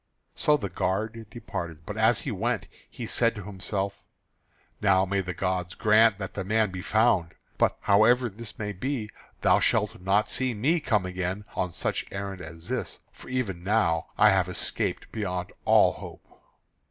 So the guard departed; but as he went he said to himself: "Now may the gods grant that the man be found; but however this may be, thou shalt not see me come again on such errand as this, for even now have I escaped beyond all hope."